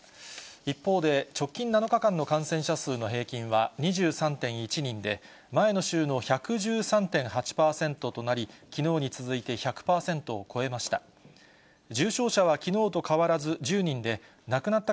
一方で、直近７日間の感染者数の平均は２３．１人で、前の週の１１３．８％となり、きのうに続いて、１００％を超えました。